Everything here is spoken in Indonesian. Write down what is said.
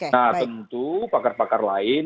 nah tentu pakar pakar lain